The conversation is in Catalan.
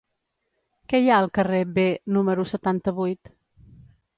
Què hi ha al carrer B número setanta-vuit?